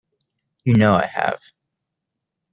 You know I have.